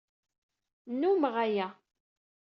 Nnummeɣ aya.